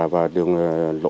và đường liên lạc